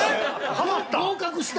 ◆ハマった！